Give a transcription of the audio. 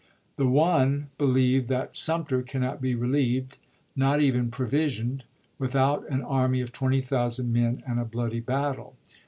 The one believe that Sumter cannot be relieved — not even provisioned — without an army of twenty thousand men and a bloody battle.